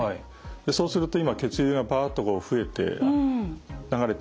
そうすると今血流がパッと増えて流れて。